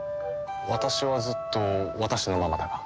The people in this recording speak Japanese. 私はずっと私のままだが。